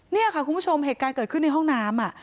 นี่ค่ะคุณผู้ชมเหตุการณ์เกิดขึ้นในห้องน้ำ